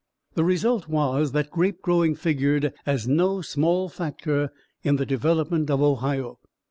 The result was that grape growing figured as no small factor in the development of Ohio.